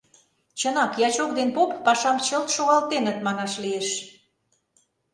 Чынак, ячок ден поп пашам чылт шогалтеныт, манаш лиеш.